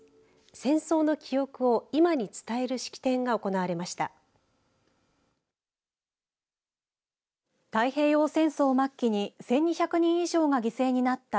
戦争の記憶を今に伝える式典が行われました。